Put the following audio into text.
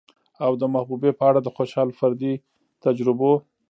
او د محبوبې په اړه د خوشال فردي تجربو